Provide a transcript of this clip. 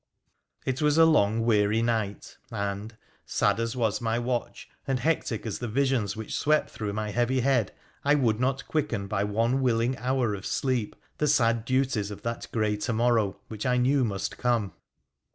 It was a long weary night, and, sad as was my watch and hectic as the visions which swept through my heavy bead, I would not quicken by one willing hour of sleep the sad duties of that grey to morrow which I knew must come.